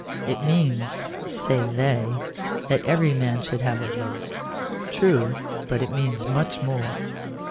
It means, say they, that every man should have a vote. True : but it means much more.